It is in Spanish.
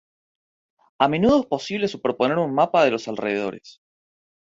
A menudo, es posible superponer un mapa de los alrededores.